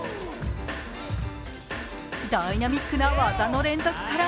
ダイナミックな技の連続から